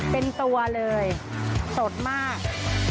เป็นตัวเลยสดมาก